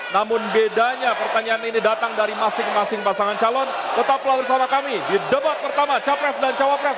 namun bedanya pertanyaan ini datang dari masing masing pasangan calon tetap telah bersama kami di debat pertama capres dan cawapres dua ribu sembilan belas